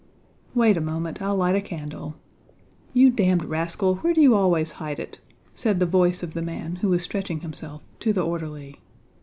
"Wait a moment, I'll light a candle. You damned rascal, where do you always hide it?" said the voice of the man who was stretching himself, to the orderly.